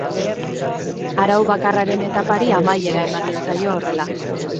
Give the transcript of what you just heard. Arau bakarraren etapari amaiera ematen zaio horrela.